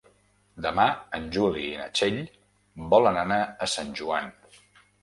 Demà en Juli i na Txell volen anar a Sant Joan.